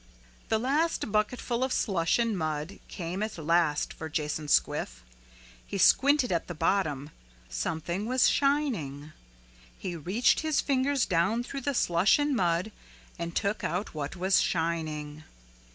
The last bucketful of slush and mud came at last for Jason Squiff. He squinted at the bottom. Something was shining. He reached his fingers down through the slush and mud and took out what was shining.